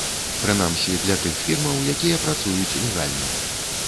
Прынамсі, для тых фірмаў, якія працуюць легальна.